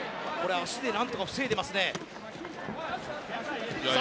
足で何とか防いでいます。